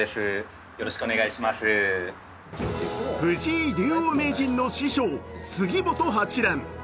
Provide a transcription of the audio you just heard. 藤井竜王名人の師匠、杉本八段。